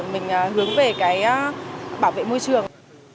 mình hướng về cái bảo vệ môi trường